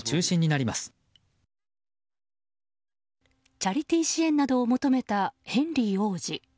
チャリティー支援などを求めたヘンリー王子。